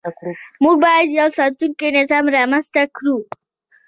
موږ باید یو ساتونکی نظام رامنځته کړو.